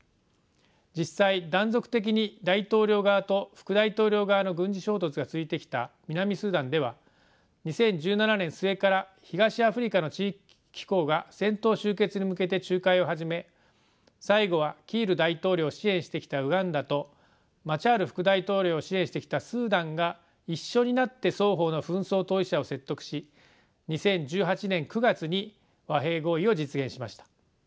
実際断続的に大統領側と副大統領側の軍事衝突が続いてきた南スーダンでは２０１７年末から東アフリカの地域機構が戦闘終結に向けて仲介を始め最後はキール大統領を支援してきたウガンダとマシャール副大統領を支援してきたスーダンが一緒になって双方の紛争当事者を説得し２０１８年９月に和平合意を実現しました。